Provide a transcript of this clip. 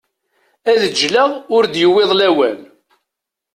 Ad ğğleɣ ur d-yewwiḍ lawan.